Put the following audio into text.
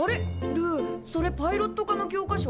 ルーそれパイロット科の教科書？